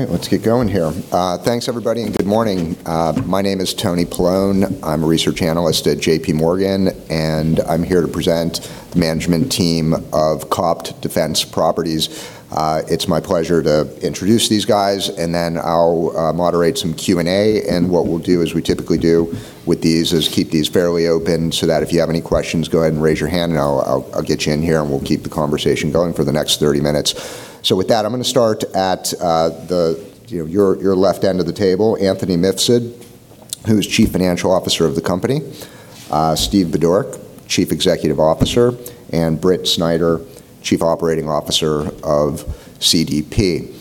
All right, let's get going here. Thanks everybody, good morning. My name is Tony Paolone. I'm a research analyst at JPMorgan, and I'm here to present the management team of COPT Defense Properties. It's my pleasure to introduce these guys, and then I'll moderate some Q&A. What we'll do is we typically do with these is keep these fairly open, so that if you have any questions, go ahead and raise your hand and I'll get you in here, and we'll keep the conversation going for the next 30 minutes. With that, I'm going to start at your left end of the table, Anthony Mifsud, who's Chief Financial Officer of the company, Steve Budorick, Chief Executive Officer, and Britt Snider, Chief Operating Officer of CDP.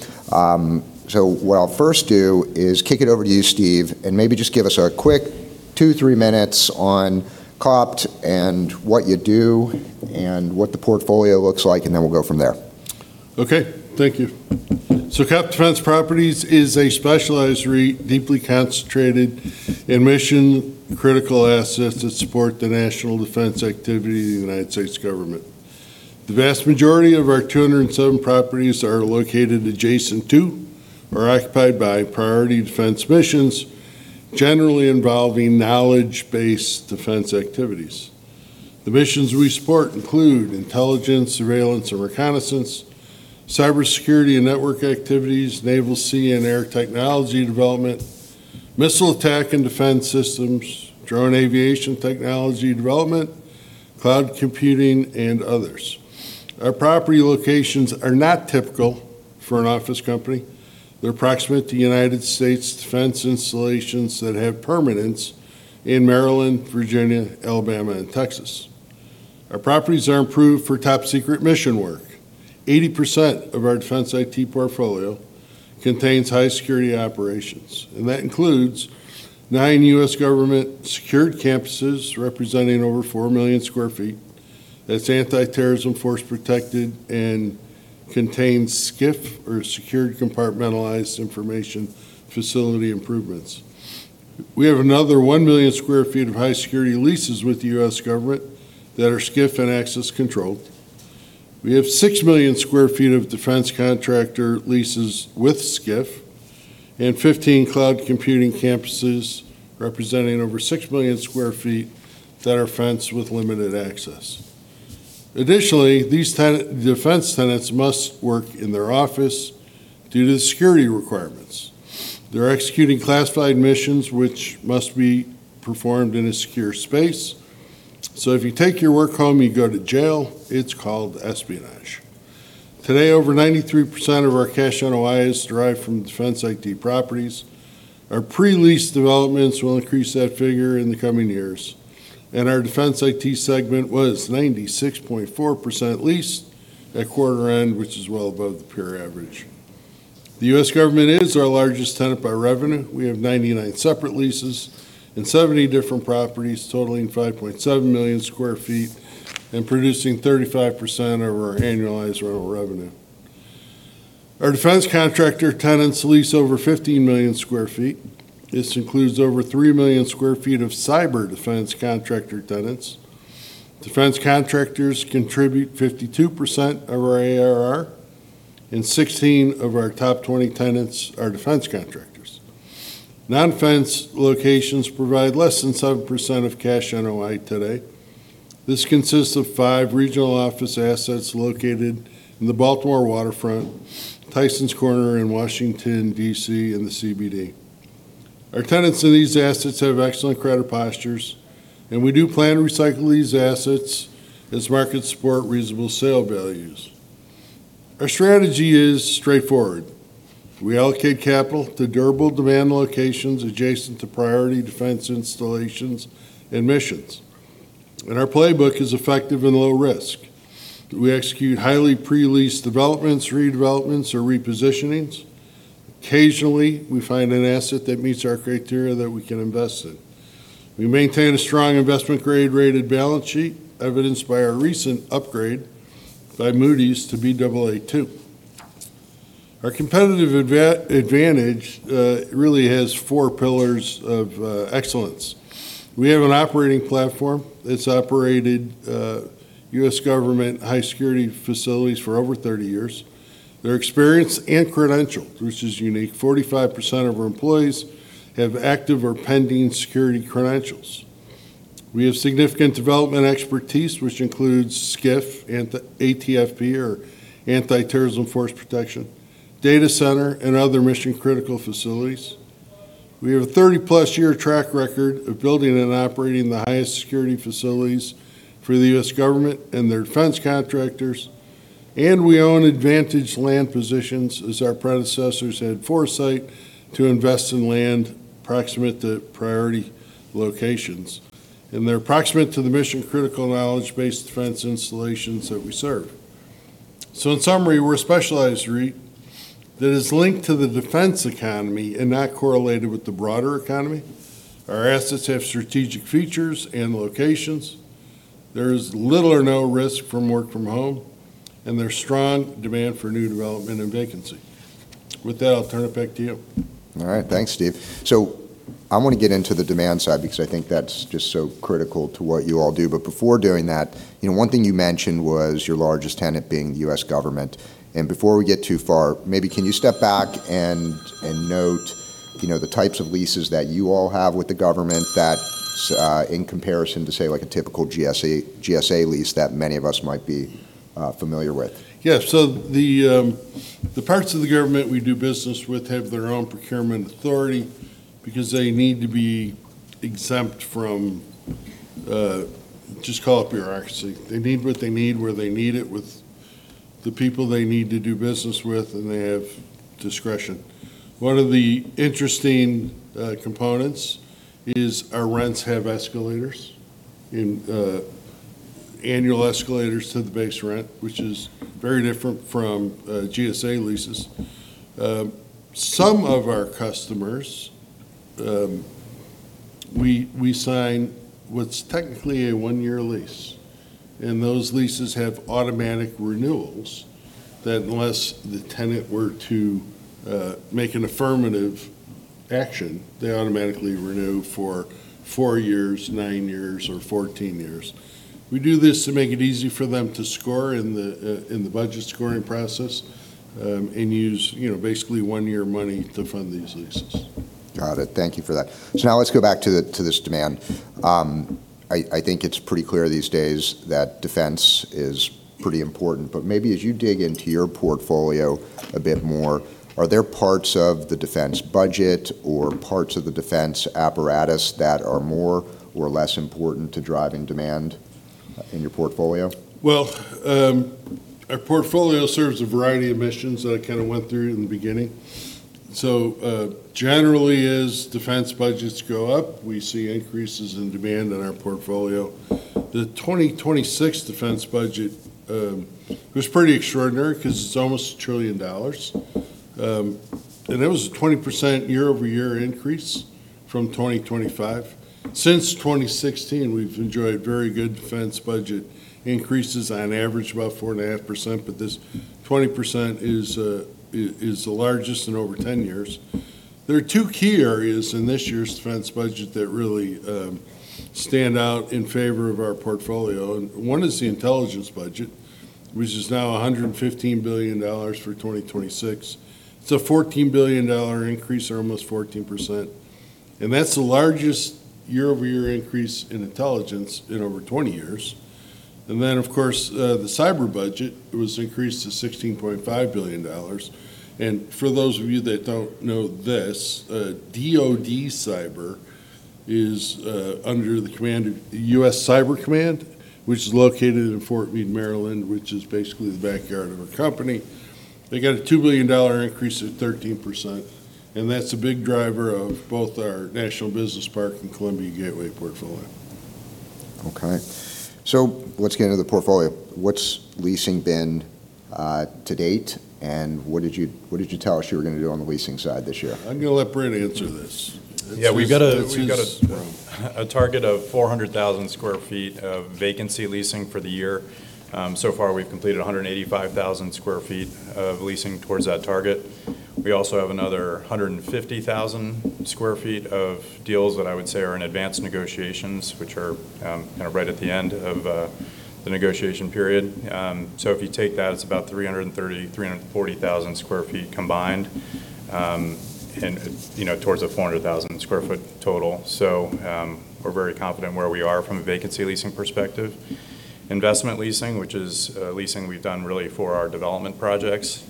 What I'll first do is kick it over to you, Steve, and maybe just give us a quick two to three minutes on COPT and what you do and what the portfolio looks like, and then we'll go from there. Okay. Thank you. COPT Defense Properties is a specialized REIT, deeply concentrated in mission critical assets that support the national defense activity of the United States government. The vast majority of our 207 properties are located adjacent to or occupied by priority defense missions, generally involving knowledge-based defense activities. The missions we support include intelligence, surveillance or reconnaissance, cyber security and network activities, naval, sea, and air technology development, missile attack and defense systems, drone aviation technology development, cloud computing, and others. Our property locations are not typical for an office company. They're proximate to United States defense installations that have permanence in Maryland, Virginia, Alabama, and Texas. Our properties are improved for top secret mission work. 80% of our defense IT portfolio contains high security operations, and that includes nine U.S. Government secured campuses representing over 4 million square feet that's anti-terrorism force protected and contains SCIF, or Secured Compartmentalized Information Facility improvements. We have another 1 million square feet of high security leases with the U.S. Government that are SCIF and access controlled. We have 6 million square feet of defense contractor leases with SCIF, and 15 cloud computing campuses representing over 6 million square feet that are fenced with limited access. Additionally, these defense tenants must work in their office due to the security requirements. They're executing classified missions which must be performed in a secure space. If you take your work home, you go to jail. It's called espionage. Today, over 93% of our cash NOI is derived from defense IT properties. Our pre-lease developments will increase that figure in the coming years. Our defense IT segment was 96.4% leased at quarter end, which is well above the peer average. The U.S. government is our largest tenant by revenue. We have 99 separate leases and 70 different properties totaling 5.7 million square feet and producing 35% of our annualized rental revenue. Our defense contractor tenants lease over 15 million square feet. This includes over 3 million square feet of cyber defense contractor tenants. Defense contractors contribute 52% of our ARR, and 16 of our top 20 tenants are defense contractors. Non-defense locations provide less than 7% of cash NOI today. This consists of five regional office assets located in the Baltimore Waterfront, Tysons Corner in Washington, D.C., and the CBD. Our tenants in these assets have excellent credit postures. We do plan to recycle these assets as markets support reasonable sale values. Our strategy is straightforward. We allocate capital to durable demand locations adjacent to priority defense installations and missions. Our playbook is effective and low risk. We execute highly pre-leased developments, redevelopments, or repositionings. Occasionally, we find an asset that meets our criteria that we can invest in. We maintain a strong investment-grade rated balance sheet, evidenced by our recent upgrade by Moody's to Baa2. Our competitive advantage really has four pillars of excellence. We have an operating platform that's operated U.S. government high security facilities for over 30 years. Their experience and credentials, which is unique, 45% of our employees have active or pending security credentials. We have significant development expertise, which includes SCIF, ATFP, or Anti-Terrorism Force Protection, data center, and other mission-critical facilities. We have a 30-plus-year track record of building and operating the highest security facilities for the U.S. government and their defense contractors. We own advantage land positions, as our predecessors had foresight to invest in land approximate to priority locations. They're approximate to the mission-critical knowledge-based defense installations that we serve. In summary, we're a specialized REIT that is linked to the defense economy and not correlated with the broader economy. Our assets have strategic features and locations. There is little or no risk from work from home, and there's strong demand for new development and vacancy. With that, I'll turn it back to you. All right. Thanks, Steve. I want to get into the demand side because I think that's just so critical to what you all do. Before doing that, one thing you mentioned was your largest tenant being the U.S. government. Before we get too far, maybe can you step back and note the types of leases that you all have with the government that, in comparison to, say, like a typical GSA lease that many of us might be familiar with? So the parts of the Government we do business with have their own procurement authority because they need to be exempt from, just call it bureaucracy. They need what they need, where they need it, with the people they need to do business with, and they have discretion. One of the interesting components is our rents have escalators, annual escalators to the base rent, which is very different from GSA leases. Some of our customers, we sign what's technically a one-year lease, and those leases have automatic renewals that unless the tenant were to make an affirmative action, they automatically renew for four years, nine years, or 14 years. We do this to make it easy for them to score in the budget scoring process, and use basically one year of money to fund these leases. Got it. Thank you for that. Now let's go back to this demand. I think it's pretty clear these days that defense is pretty important. Maybe as you dig into your portfolio a bit more, are there parts of the defense budget or parts of the defense apparatus that are more or less important to driving demand in your portfolio? Well, our portfolio serves a variety of missions that I kind of went through in the beginning. Generally, as defense budgets go up, we see increases in demand in our portfolio. The 2026 defense budget was pretty extraordinary because it's almost $1 trillion, and it was a 20% year-over-year increase from 2025. Since 2016, we've enjoyed very good defense budget increases, on average about 4.5%. This 20% is the largest in over 10 years. There are two key areas in this year's defense budget that really stand out in favor of our portfolio. One is the intelligence budget, which is now $115 billion for 2026. It's a $14 billion increase, or almost 14%. That's the largest year-over-year increase in intelligence in over 20 years. Of course, the Cyber budget was increased to $16.5 billion. For those of you that don't know this, DoD Cyber is under the command of U.S. Cyber Command, which is located in Fort Meade, Maryland, which is basically the backyard of our company. They got a $2 billion increase of 13%, and that's a big driver of both our National Business Park and Columbia Gateway portfolio. Okay. Let's get into the portfolio. What's leasing been to date, and what did you tell us you were going to do on the leasing side this year? I'm going to let Britt answer this. Yeah. We've got. This is his realm. A target of 400,000 sq ft of vacancy leasing for the year. So far, we've completed 185,000 sq ft of leasing towards that target. We also have another 150,000 sq ft of deals that I would say are in advanced negotiations, which are right at the end of the negotiation period. If you take that, it's about 330,000-340,000 sq ft combined, and towards a 400,000 sq ft total. We're very confident where we are from a vacancy leasing perspective. Investment leasing, which is leasing we've done really for our development projects,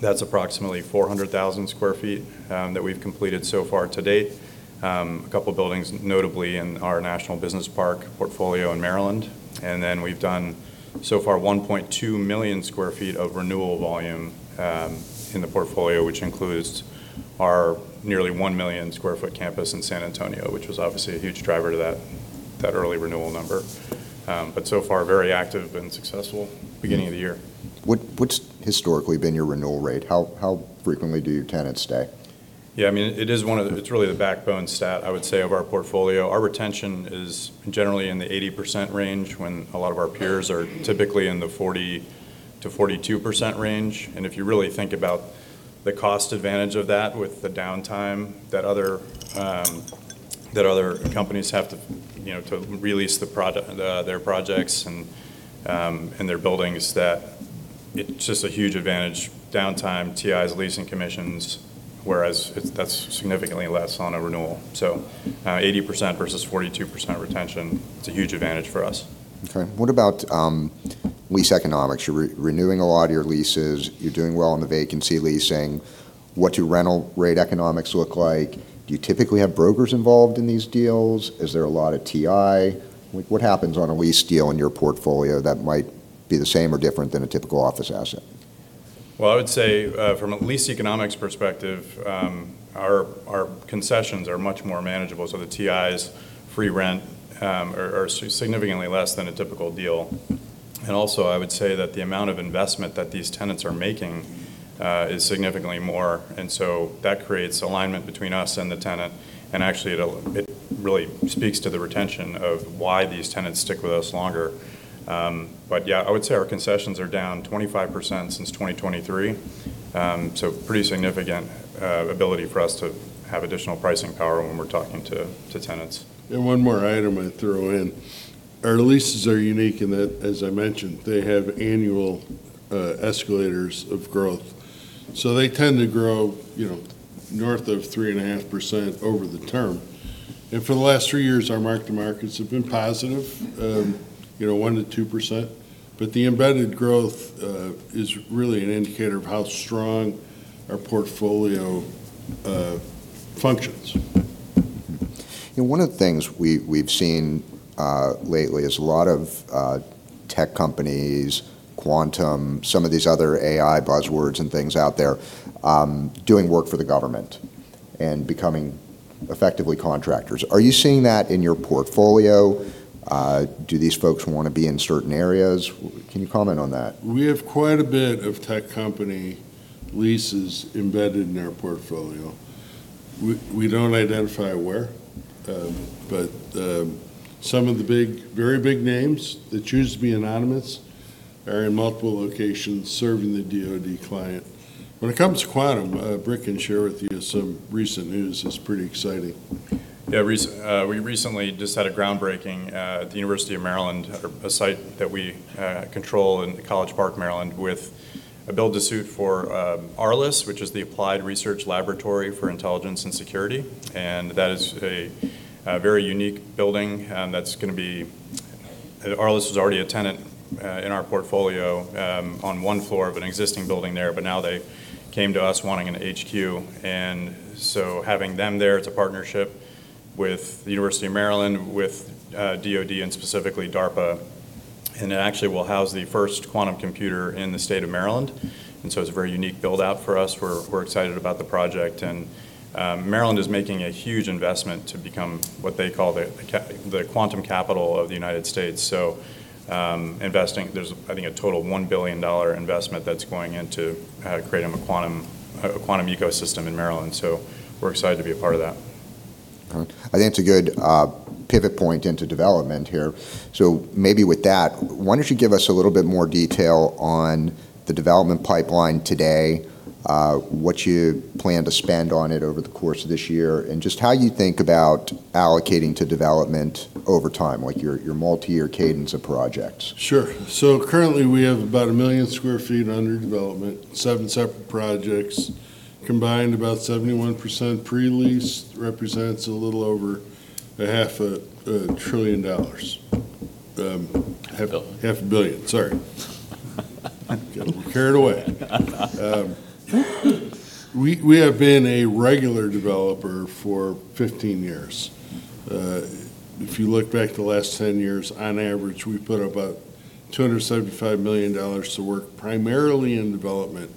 that's approximately 400,000 sq ft that we've completed so far to date. A couple buildings, notably in our National Business Park portfolio in Maryland. Then we've done, so far, 1.2 million square feet of renewal volume in the portfolio, which includes our nearly one million square foot campus in San Antonio, which was obviously a huge driver to that early renewal number. So far, very active and successful beginning of the year. What's historically been your renewal rate? How frequently do your tenants stay? Yeah, it's really the backbone stat, I would say, of our portfolio. Our retention is generally in the 80% range when a lot of our peers are typically in the 40%-42% range. If you really think about the cost advantage of that with the downtime that other companies have to re-lease their projects and their buildings, that it's just a huge advantage. Downtime, TIs, leasing commissions, whereas that's significantly less on a renewal. 80% versus 42% retention, it's a huge advantage for us. What about lease economics? You're renewing a lot of your leases. You're doing well on the vacancy leasing. What do rental rate economics look like? Do you typically have brokers involved in these deals? Is there a lot of TI? What happens on a lease deal in your portfolio that might be the same or different than a typical office asset? Well, I would say from a lease economics perspective, our concessions are much more manageable, so the TIs, free rent, are significantly less than a typical deal. Also, I would say that the amount of investment that these tenants are making is significantly more. That creates alignment between us and the tenant, and actually it really speaks to the retention of why these tenants stick with us longer. Yeah, I would say our concessions are down 25% since 2023. Pretty significant ability for us to have additional pricing power when we're talking to tenants. One more item I'd throw in. Our leases are unique in that, as I mentioned, they have annual escalators of growth. They tend to grow north of 3.5% over the term. For the last three years, our mark-to-markets have been positive, 1%-2%. The embedded growth is really an indicator of how strong our portfolio functions. One of the things we've seen lately is a lot of tech companies, quantum, some of these other AI buzzwords and things out there, doing work for the government and becoming effectively contractors. Are you seeing that in your portfolio? Do these folks want to be in certain areas? Can you comment on that? We have quite a bit of tech company leases embedded in our portfolio. We don't identify where, but some of the big, very big names that choose to be anonymous are in multiple locations serving the DoD client. When it comes to quantum, Britt can share with you some recent news that's pretty exciting. We recently just had a groundbreaking at the University of Maryland, a site that we control in College Park, Maryland, with a build to suit for ARLIS, which is the Applied Research Laboratory for Intelligence and Security. That is a very unique building. The ARLIS was already a tenant in our portfolio on one floor of an existing building there. Now they came to us wanting an HQ. Having them there, it's a partnership with the University of Maryland, with DoD, specifically DARPA. It actually will house the first quantum computer in the state of Maryland. It's a very unique build-out for us. We're excited about the project. Maryland is making a huge investment to become what they call the quantum capital of the United States. There's, I think, a total of $1 billion investment that's going in to create a quantum ecosystem in Maryland. We're excited to be a part of that. I think it's a good pivot point into development here. Maybe with that, why don't you give us a little bit more detail on the development pipeline today, what you plan to spend on it over the course of this year, and just how you think about allocating to development over time, like your multi-year cadence of projects? Sure. Currently, we have about 1 million square feet under development, seven separate projects. Combined, about 71% pre-leased, represents a little over a half a trillion dollars. Half a billion. Half a billion, sorry. Got a little carried away. We have been a regular developer for 15 years. If you look back the last 10 years, on average, we put about $275 million to work primarily in development.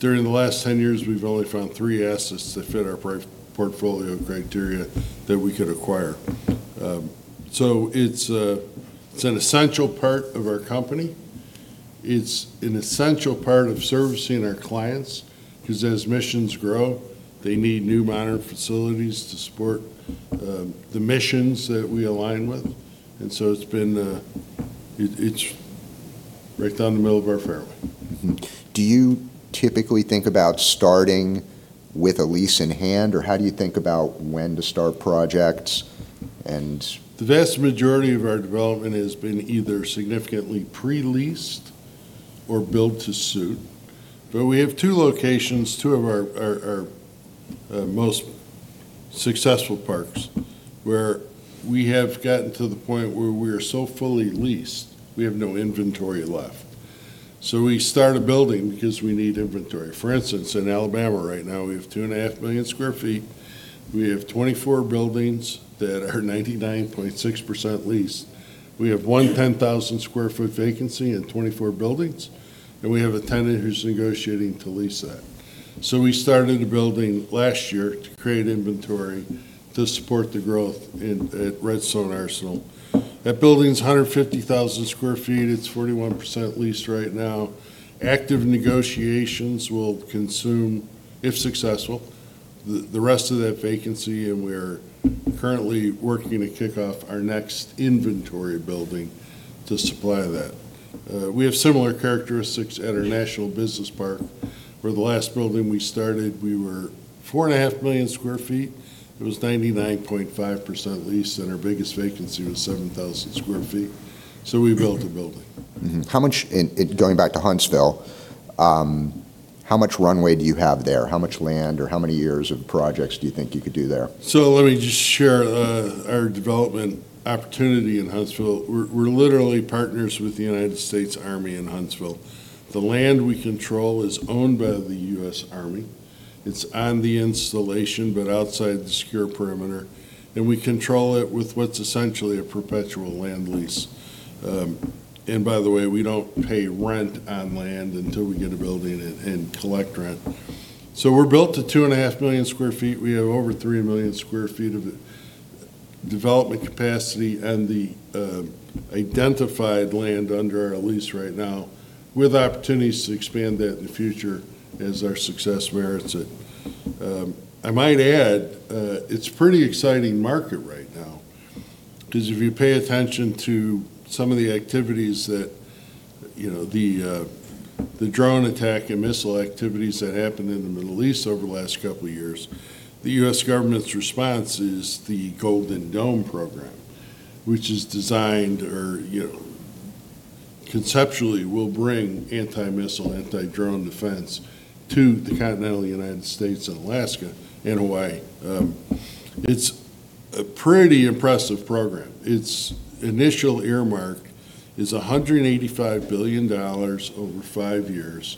During the last 10 years, we've only found three assets that fit our portfolio criteria that we could acquire. It's an essential part of our company. It's an essential part of servicing our clients because as missions grow, they need new modern facilities to support the missions that we align with. It's right down the middle of our fairway. Do you typically think about starting with a lease in hand, or how do you think about when to start projects? The vast majority of our development has been either significantly pre-leased or built to suit. We have two locations, two of our most successful parks, where we have gotten to the point where we are so fully leased, we have no inventory left. We start a building because we need inventory. For instance, in Alabama right now, we have 2.5 million square feet. We have 24 buildings that are 99.6% leased. We have one 10,000 sq ft vacancy in 24 buildings, and we have a tenant who's negotiating to lease that. We started a building last year to create inventory to support the growth at Redstone Arsenal. That building's 150,000 sq ft. It's 41% leased right now. Active negotiations will consume, if successful, the rest of that vacancy. We're currently working to kick off our next inventory building to supply that. We have similar characteristics at our National Business Park, where the last building we started, we were 4.5 million square feet. It was 99.5% leased, and our biggest vacancy was 7,000 sq ft. We built a building. Going back to Huntsville, how much runway do you have there? How much land, or how many years of projects do you think you could do there? Let me just share our development opportunity in Huntsville. We're literally partners with the United States Army in Huntsville. The land we control is owned by the U.S. Army. It's on the installation, but outside the secure perimeter, and we control it with what's essentially a perpetual land lease. By the way, we don't pay rent on land until we get a building and collect rent. We're built to 2.5 million square feet. We have over 3 million square feet of development capacity and the identified land under our lease right now, with opportunities to expand that in the future as our success merits it. I might add, it's a pretty exciting market right now because if you pay attention to some of the activities that, the drone attack and missile activities that happened in the Middle East over the last couple of years, the U.S. government's response is the Golden Dome program, which is designed, or conceptually will bring anti-missile, anti-drone defense to the continental United States, and Alaska, and Hawaii. It's a pretty impressive program. Its initial earmark is $185 billion over five years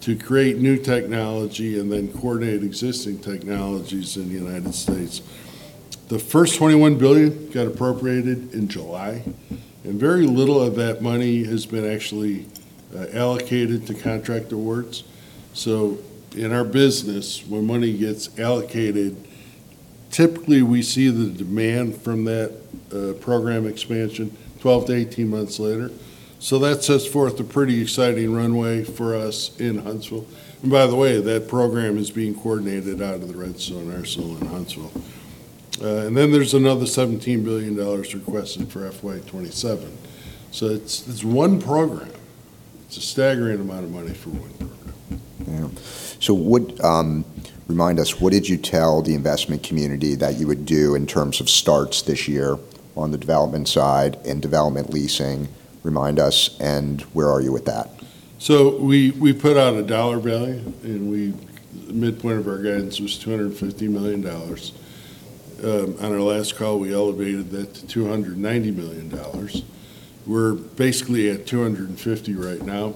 to create new technology and then coordinate existing technologies in the United States. The first $21 billion got appropriated in July, and very little of that money has been actually allocated to contract awards. In our business, when money gets allocated, typically we see the demand from that program expansion 12-18 months later. That sets forth a pretty exciting runway for us in Huntsville. By the way, that program is being coordinated out of the Redstone Arsenal in Huntsville. Then there's another $17 billion requested for FY 2027. It's one program. It's a staggering amount of money for one program. Yeah. Remind us, what did you tell the investment community that you would do in terms of starts this year on the development side and development leasing? Remind us. Where are you with that? We put out a dollar value, the midpoint of our guidance was $250 million. On our last call, we elevated that to $290 million. We're basically at $250 right now.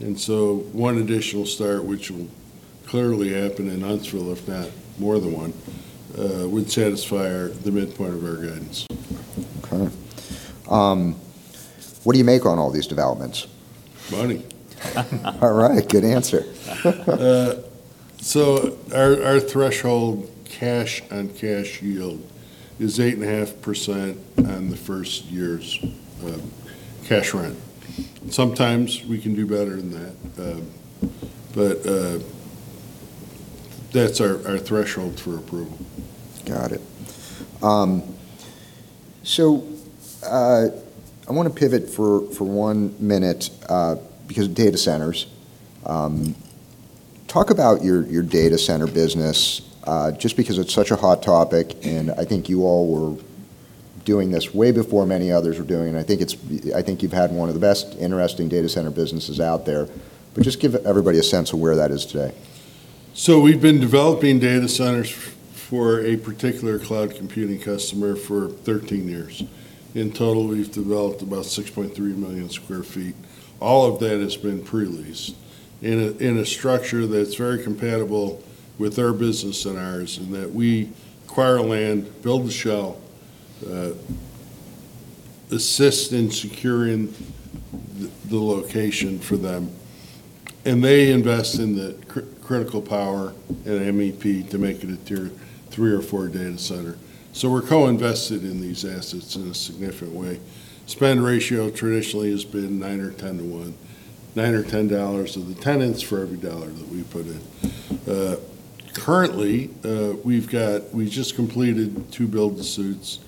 One additional start, which will clearly happen in Huntsville, if not more than one, would satisfy the midpoint of our guidance. Okay. What do you make on all these developments? Money. All right, good answer. Our threshold cash on cash yield is 8.5% on the first year's cash rent. Sometimes we can do better than that. That's our threshold for approval. Got it. I want to pivot for one minute because data centers. Talk about your data center business, just because it's such a hot topic, and I think you all were doing this way before many others were doing it, and I think you've had one of the best interesting data center businesses out there. Just give everybody a sense of where that is today. We've been developing data centers for a particular cloud computing customer for 13 years. In total, we've developed about 6.3 million square feet. All of that has been pre-leased in a structure that's very compatible with our business scenarios, in that we acquire land, build the shell, assist in securing the location for them, and they invest in the critical power and MEP to make it a tier three or four data center. We're co-invested in these assets in a significant way. Spend ratio traditionally has been 9:1 or 10:1. $9 or $10 of the tenants for every $1 that we put in. Currently, we've just completed two build-to-suits.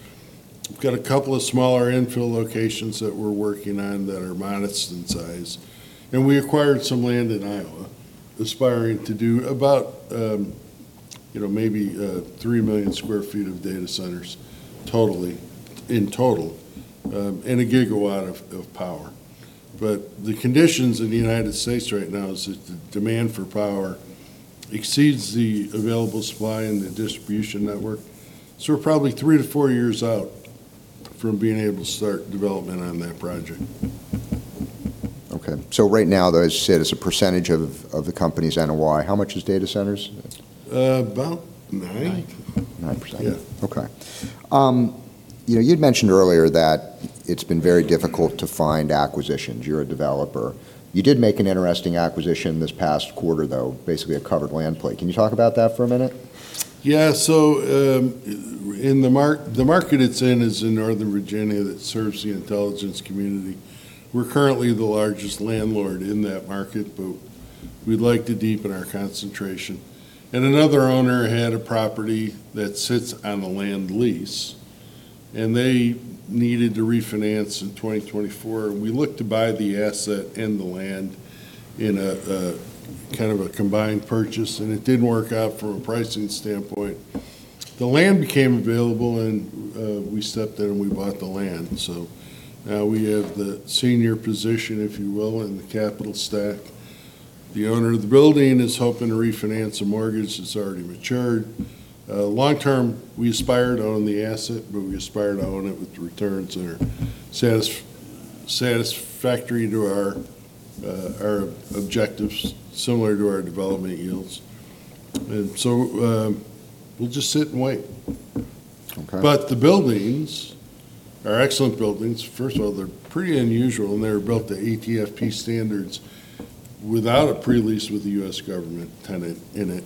We've got a couple of smaller infill locations that we're working on that are modest in size. We acquired some land in Iowa, aspiring to do about maybe 3 million square feet of data centers in total, and a gigawatt of power. The conditions in the United States right now is that the demand for power exceeds the available supply in the distribution network. We're probably three to four years out from being able to start development on that project. Okay, right now, as you said, as a percentage of the company's NOI, how much is data centers? About 9%. 9%. Yeah. Okay. You'd mentioned earlier that it's been very difficult to find acquisitions. You're a developer. You did make an interesting acquisition this past quarter, though, basically a covered land play. Can you talk about that for a minute? Yeah. The market it's in is in Northern Virginia that serves the intelligence community. We're currently the largest landlord in that market, but we'd like to deepen our concentration. Another owner had a property that sits on a land lease, and they needed to refinance in 2024, and we looked to buy the asset and the land in a kind of a combined purchase, and it didn't work out from a pricing standpoint. The land became available and we stepped in, and we bought the land. Now we have the senior position, if you will, in the capital stack. The owner of the building is hoping to refinance a mortgage that's already matured. Long-term, we aspired to own the asset, but we aspired to own it with returns that are satisfactory to our objectives, similar to our development yields. We'll just sit and wait. Okay. The buildings are excellent buildings. First of all, they're pretty unusual, and they were built to ATFP standards without a pre-lease with the U.S. government tenant in it.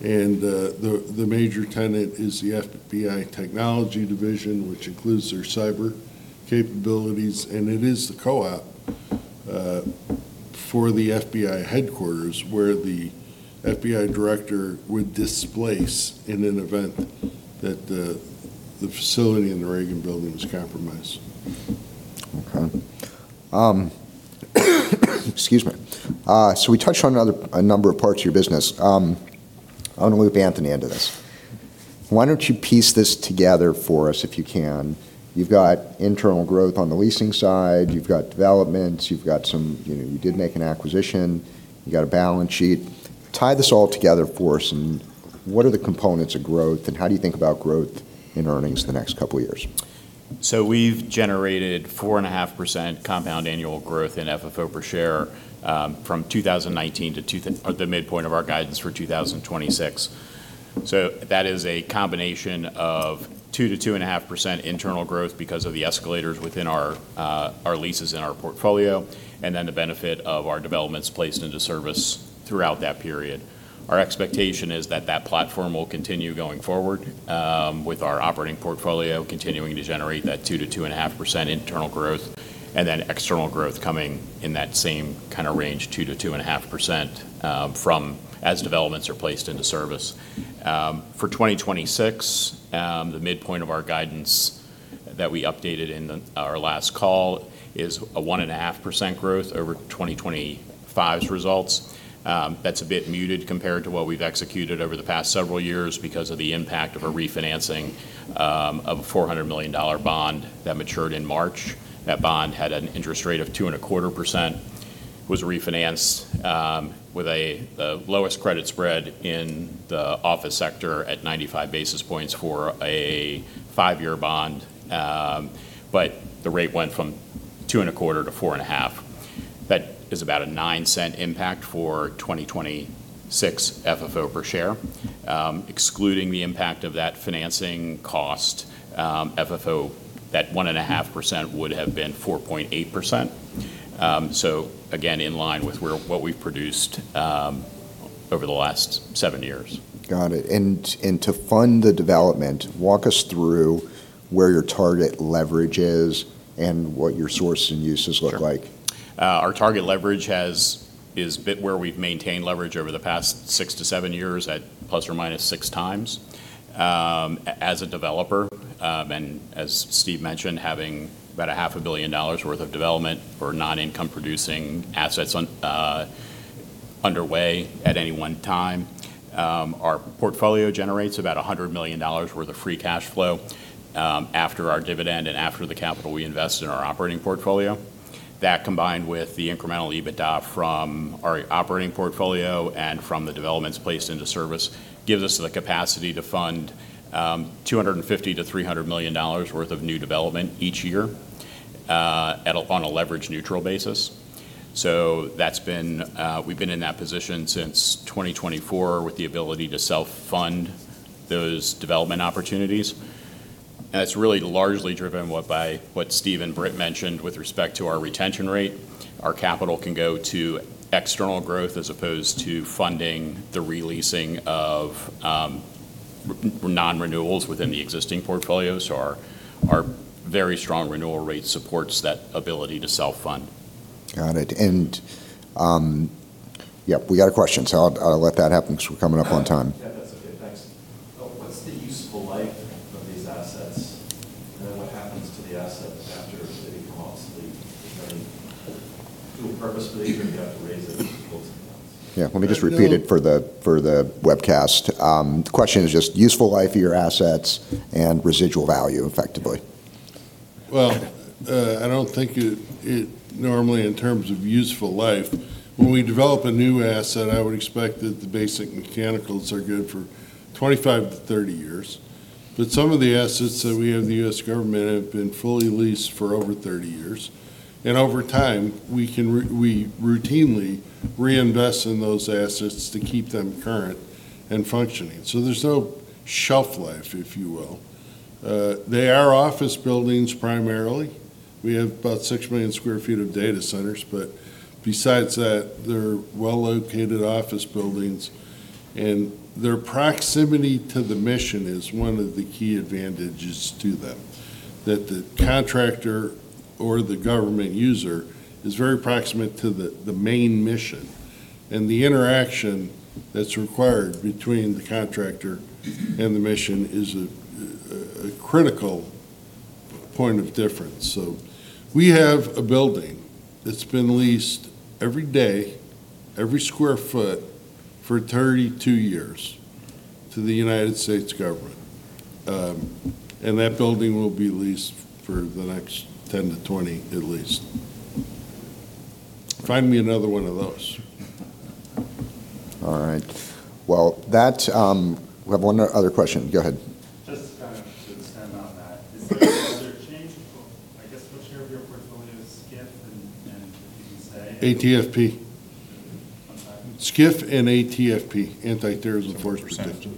The major tenant is the FBI Technology Division, which includes their cyber capabilities, and it is the COOP for the FBI headquarters, where the FBI director would displace in an event that the facility in the Reagan Building was compromised. Okay. Excuse me. We touched on a number of parts of your business. I want to loop Anthony into this. Why don't you piece this together for us if you can? You've got internal growth on the leasing side. You've got developments. You did make an acquisition. You got a balance sheet. Tie this all together for us, and what are the components of growth, and how do you think about growth in earnings the next couple of years? We've generated 4.5% compound annual growth in FFO per share from 2019 to the midpoint of our guidance for 2026. That is a combination of 2%-2.5% internal growth because of the escalators within our leases in our portfolio, and then the benefit of our developments placed into service throughout that period. Our expectation is that that platform will continue going forward with our operating portfolio continuing to generate that 2%-2.5% internal growth, and then external growth coming in that same kind of range, 2%-2.5%, as developments are placed into service. For 2026, the midpoint of our guidance that we updated in our last call is a 1.5% growth over 2025's results. That's a bit muted compared to what we've executed over the past several years because of the impact of a refinancing of a $400 million bond that matured in March. That bond had an interest rate of 2.25%, was refinanced with the lowest credit spread in the office sector at 95 basis points for a five year bond. The rate went from 2.25% to 4.5%. That is about a $0.09 impact for 2026 FFO per share. Excluding the impact of that financing cost, FFO, that 1.5% would have been 4.8%. Again, in line with what we've produced over the last seven years. Got it. To fund the development, walk us through where your target leverage is and what your source and uses look like. Sure. Our target leverage has been where we've maintained leverage over the past six to seven years, at ±6x as a developer. As Steve mentioned, having about a $500 million dollars worth of development for non-income-producing assets underway at any one time. Our portfolio generates about $100 million worth of free cash flow after our dividend and after the capital we invest in our operating portfolio. That, combined with the incremental EBITDA from our operating portfolio and from the developments placed into service, gives us the capacity to fund $250 million-$300 million worth of new development each year on a leverage-neutral basis. We've been in that position since 2024 with the ability to self-fund those development opportunities. That's really largely driven by what Steve and Britt mentioned with respect to our retention rate. Our capital can go to external growth as opposed to funding the re-leasing of non-renewals within the existing portfolio. Our very strong renewal rate supports that ability to self-fund. Got it. We got a question, so I'll let that happen because we're coming up on time. Yeah, that's okay, thanks. What's the useful life of these assets, and then what happens to the assets after they become obsolete and then to a purpose they have to. Yeah. Let me just repeat it for the webcast. The question is just useful life of your assets and residual value, effectively. I don't think it normally in terms of useful life. When we develop a new asset, I would expect that the basic mechanicals are good for 25-30 years. Some of the assets that we have in the U.S. government have been fully leased for over 30 years. Over time, we routinely reinvest in those assets to keep them current and functioning. There's no shelf life, if you will. They are office buildings primarily. We have about 6 million square feet of data centers, but besides that, they're well-located office buildings. Their proximity to the mission is one of the key advantages to them, that the contractor or the government user is very proximate to the main mission. The interaction that's required between the contractor and the mission is a critical point of difference. We have a building that's been leased every day, every square foot, for 32 years to the United States Government. That building will be leased for the next 10-20 at least. Find me another one of those. All right. Well, we have one other question. Go ahead. What share of your portfolio is SCIF? ATFP, SCIF and ATFP, Anti-Terrorism Force Protection.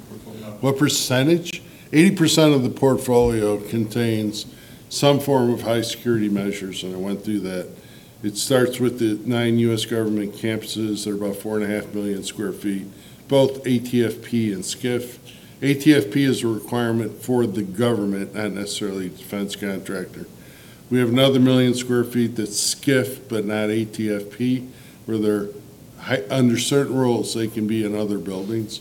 What percentage? What percentage? 80% of the portfolio contains some form of high security measures. I went through that. It starts with the nine U.S. Government campuses that are about 4.5 million square feet, both ATFP and SCIF. ATFP is a requirement for the government, not necessarily the defense contractor. We have another million square feet that's SCIF, but not ATFP, where under certain rules, they can be in other buildings.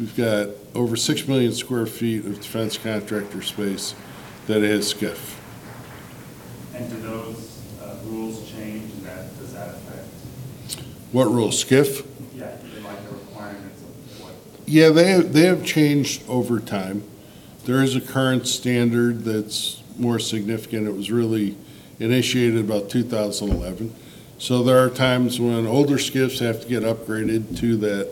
We've got over 6 million square feet of defense contractor space that is SCIF. Do those rules change. What rules? SCIF? Yeah. They have changed over time. There is a current standard that's more significant. It was really initiated about 2011. There are times when older SCIFs have to get upgraded to that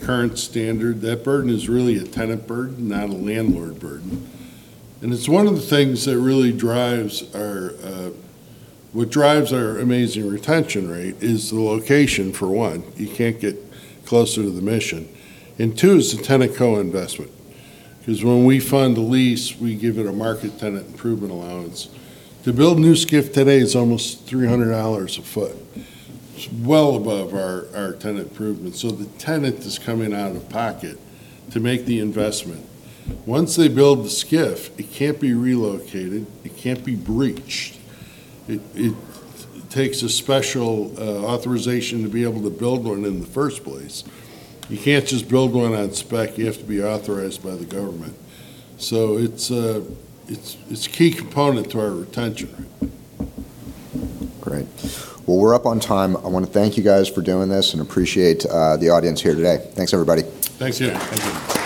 current standard. That burden is really a tenant burden, not a landlord burden. It's one of the things that really drives our amazing retention rate, is the location, for one. You can't get closer to the mission. Two is the tenant co-investment. When we fund a lease, we give it a market tenant improvement allowance. To build new SCIF today is almost $300 a foot. It's well above our Tenant Improvement, the tenant is coming out of pocket to make the investment. Once they build the SCIF, it can't be relocated, it can't be breached. It takes a special authorization to be able to build one in the first place. You can't just build one on spec. You have to be authorized by the government. It's a key component to our retention. Great. Well, we're up on time. I want to thank you guys for doing this and appreciate the audience here today. Thanks, everybody. Thanks again. Thank you.